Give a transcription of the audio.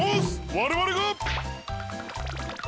われわれが！